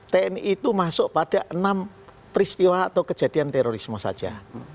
tni itu masuk pada enam peristiwa atau kejadian terorisme saja